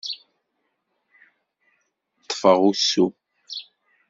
Ṭṭfeɣ usu.